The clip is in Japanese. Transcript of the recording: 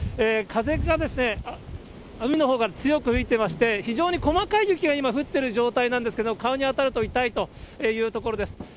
風が海のほうから強く吹いてまして、非常に細かい雪が今、降ってる状態なんですが、顔に当たると痛いというところです。